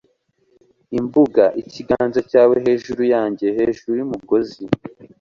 imbuga, ikiganza cyawe hejuru yanjye hejuru yumugozi